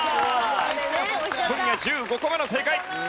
今夜１５個目の正解！